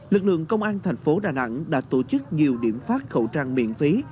lực lượng công an tp đà nẵng đã tổ chức nhiều điểm phát khẩu trang miễn phí